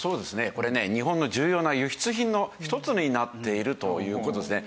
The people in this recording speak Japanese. これね日本の重要な輸出品の一つになっているという事ですね。